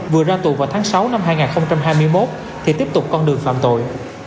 vừa ra tù vào tháng sáu năm hai nghìn hai mươi một thì tiếp tục con đường phạm tội